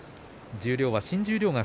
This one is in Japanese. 十両は新十両が